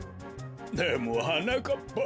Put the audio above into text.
でもはなかっぱ。